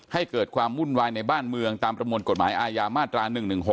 ให้เกิดความวุ่นวายในบ้านเมืองตามประมวลกฎหมายอาญามาตรา๑๑๖